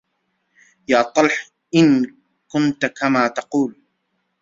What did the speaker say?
يا طلح إن كنت كما تقول